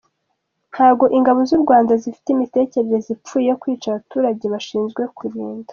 Ntago Ingabo z’ u Rwanda zifite imitekerereze ipfuye yo kwica abaturage bashinzwe kurinda.